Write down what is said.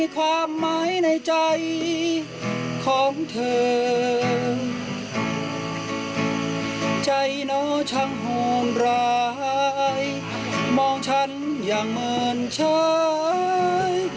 เธอใจเนาะช่างโหลมรายมองฉันอย่างเหมือนชาย